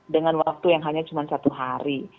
dengan waktu yang hanya cuma satu hari